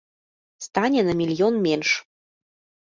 Стане на мільён менш.